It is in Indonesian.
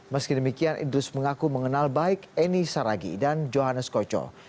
meski demikian idrus mengaku mengenal baik eni saragi dan johannes koco